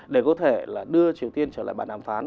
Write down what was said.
để có thể là đưa triều tiên trở lại bàn đàm phán